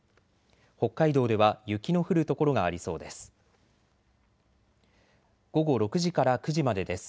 北海道では雪の降る所がありそうです。